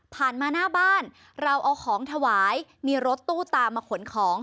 มาหน้าบ้านเราเอาของถวายมีรถตู้ตามมาขนของ